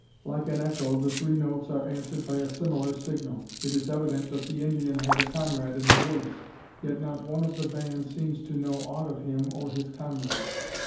Like an echo, the three notes are answered by a similar signal! It is evident that the Indian has a comrade in the woods, yet not one of the band seems to know aught of him or his comrade.